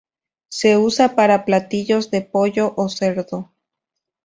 Se usa para platillos de pollo o cerdo.